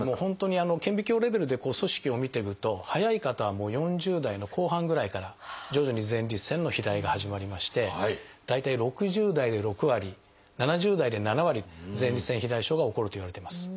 本当に顕微鏡レベルで組織を見ていくと早い方はもう４０代の後半ぐらいから徐々に前立腺の肥大が始まりまして大体６０代で６割７０代で７割前立腺肥大症が起こるといわれてます。